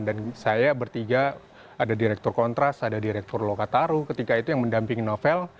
dan saya bertiga ada direktur kontras ada direktur lokataru ketika itu yang mendampingi novel